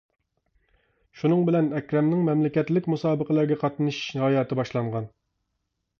شۇنىڭ بىلەن ئەكرەمنىڭ مەملىكەتلىك مۇسابىقىلەرگە قاتنىشىش ھاياتى باشلانغان.